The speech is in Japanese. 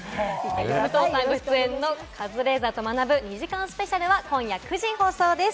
『カズレーザーと学ぶ。』２時間スペシャルは今夜９時放送です。